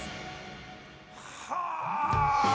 ◆はあ。